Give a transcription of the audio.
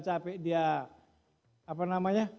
capek dia apa namanya